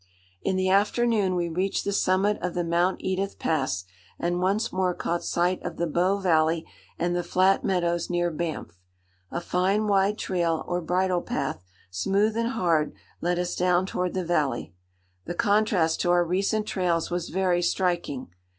In the afternoon we reached the summit of the Mount Edith Pass, and once more caught sight of the Bow valley and the flat meadows near Banff. A fine wide trail or bridle path, smooth and hard, led us down toward the valley. The contrast to our recent trails was very striking.